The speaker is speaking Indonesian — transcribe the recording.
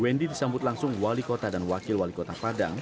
wendy disambut langsung wali kota dan wakil wali kota padang